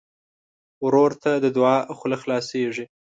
ورور ته د دعا خوله خلاصيږي.